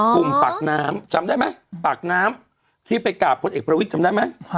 ปากน้ำจำได้ไหมปากน้ำที่ไปกราบพลเอกประวิทย์จำได้ไหม